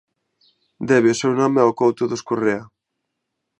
Debe o seu nome ao couto dos Correa.